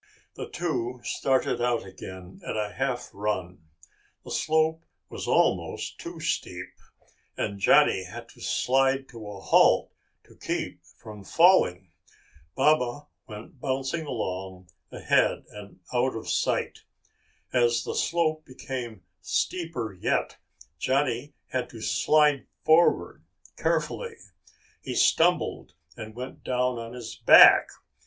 The two started out again at a half run. The slope was almost too steep, and Johnny had to slide to a halt to keep from falling. Baba went bouncing along ahead and out of sight. As the slope became steeper yet, Johnny had to slide forward carefully. He stumbled and went down on his back.